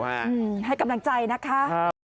ให้กำลังใจนะคะ